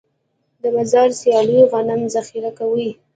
د مزار سیلو غنم ذخیره کوي.